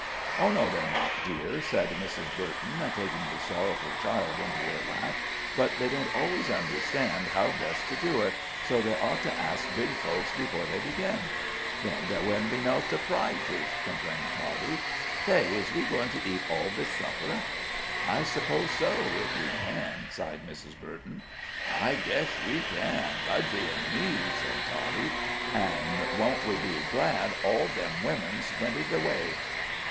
"Oh, no, they're not, dear," said Mrs. Burton, taking the sorrowful child into her lap. "But they don't always understand how best to do it, so they ought to ask big folks before they begin." "Then there wouldn't be no s'prises," complained Toddie. "Say; izh we goin' to eat all this supper?" "I suppose so, if we can," sighed Mrs. Burton. "I guesh we can Budgie an' me," said Toddie. "An' won't we be glad all them wimmens wented away!"